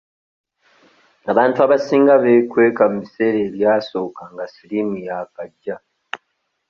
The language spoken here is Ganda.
Abantu abasinga beekweka mu biseera ebyasooka nga siriimu yaakajja.